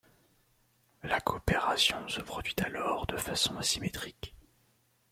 La coopération se produit alors de façon asymétrique.